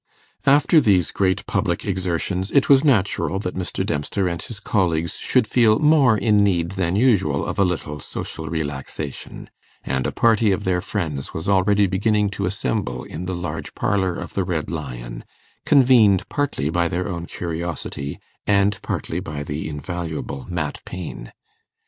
After these great public exertions, it was natural that Mr. Dempster and his colleagues should feel more in need than usual of a little social relaxation; and a party of their friends was already beginning to assemble in the large parlour of the Red Lion, convened partly by their own curiosity, and partly by the invaluable Mat Paine.